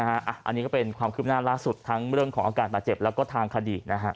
อันนี้ก็เป็นความคืบหน้าล่าสุดทั้งเรื่องของอาการบาดเจ็บแล้วก็ทางคดีนะฮะ